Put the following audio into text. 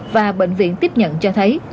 và bệnh viện tiếp nhận cho thấy